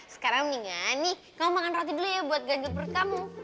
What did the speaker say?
sekarang mendingan nih kamu makan roti dulu ya buat gagil perut kamu